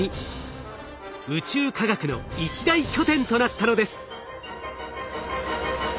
宇宙科学の一大拠点となったのです。